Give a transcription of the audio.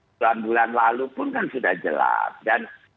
bulan bulan lalu pun kan sudah jelas